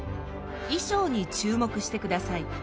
衣装に注目してください。